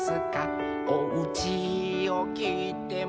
「おうちをきいても」